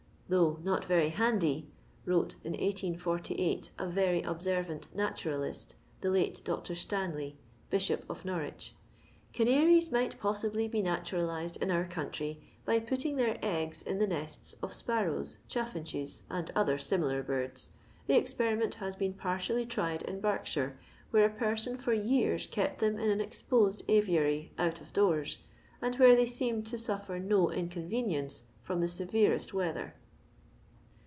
•* Though not very handy," wrote, in 1848, a very observant naturalist, the late Dr. Stanley, Bishop of Norwich, "canaries might pos sibly be naturalized in our country, by putting their eggs in the nests of sparrows, chaffinches, or other similar birds. The experiment has been partially tried in Berkshire, where a person for years kept them in an exposed aviary out of doors, and where they seemed to suffer no inconvenience from the severe; it weather."